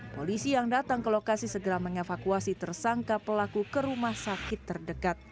polisi yang datang ke lokasi segera mengevakuasi tersangka pelaku ke rumah sakit terdekat